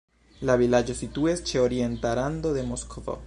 La vilaĝo situis ĉe orienta rando de Moskvo.